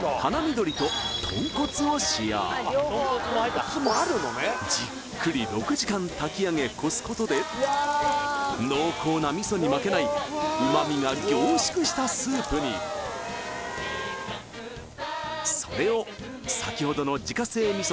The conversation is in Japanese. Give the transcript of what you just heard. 鳥と豚骨を使用じっくり６時間炊きあげこすことで濃厚な味噌に負けない旨みが凝縮したスープにそれを先ほどの自家製味噌